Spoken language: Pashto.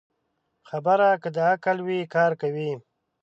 خبره که د عقل وي، کار کوي